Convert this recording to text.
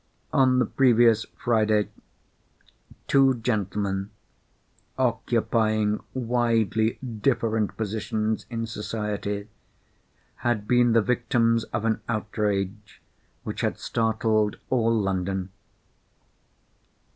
On the previous Friday, two gentlemen—occupying widely different positions in society—had been the victims of an outrage which had startled all London.